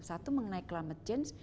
satu mengenai climate change